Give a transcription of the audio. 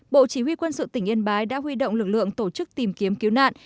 bộ chỉ huy quân sự tỉnh yên bái đã huy động lực lượng tổ chức tìm kiếm cứu nạn